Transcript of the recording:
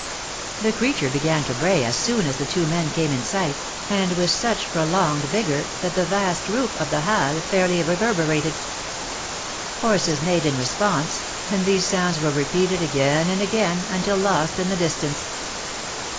The creature began to bray as soon as the two men came in sight, and with such prolonged vigor that the vast roof of the Halles fairly reverberated. Horses neighed in response, and these sounds were repeated again and again, until lost in the distance.